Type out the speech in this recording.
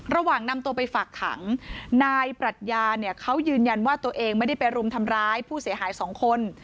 ระหว่างนำตัวไปฝากขังนายปรัชญาเนี่ยเขายืนยันว่าตัวเองไม่ได้ไปรุมทำร้ายผู้เสียหายสองคน